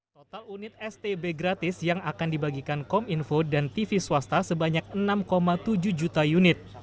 total unit stb gratis yang akan dibagikan kominfo dan tv swasta sebanyak enam tujuh juta unit